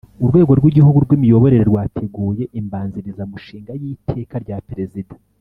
Urwego rw igihgugu rw imiyoborere rwateguye imbanzirizamushinga y iteka rya perezida